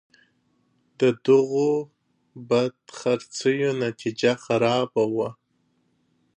د دغو بدخرڅیو نتیجه خرابه وه.